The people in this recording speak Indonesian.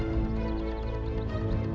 nanti aku akan datang